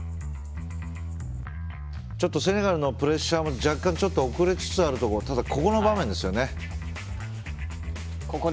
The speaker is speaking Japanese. ちょっとセネガルのプレッシャーも若干、ちょっと遅れつつあるとこでもここの場面ですね。